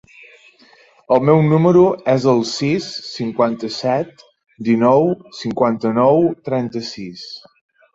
El meu número es el sis, cinquanta-set, dinou, cinquanta-nou, trenta-sis.